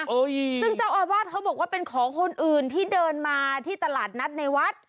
ซึ่งเจ้าอาวาสเขาบอกว่าเป็นของคนอื่นที่เดินมาที่ตลาดนัดในวัด